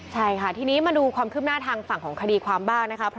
ใช่ค่ะทีนี้มาดูความคืบหน้าทางฝั่งของคดีความบ้างนะคะ